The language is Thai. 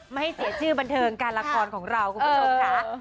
ไม่ให้เสียชื่อบันเทิงการละครของเราคุณผู้ชมค่ะ